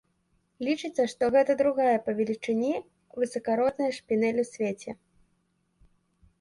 Лічыцца, што гэта другая па велічыні высакародная шпінэль у свеце.